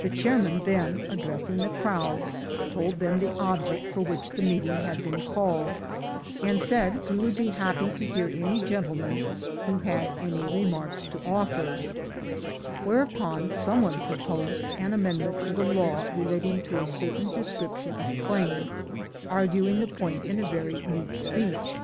The chairman then, addressing the crowd, told them the object for which the meeting had been called, and said he would be happy to hear any gentleman who had any remarks to offer; whereupon some one proposed an amendment of the law relating to a certain description of claim, arguing the point in a very neat speech.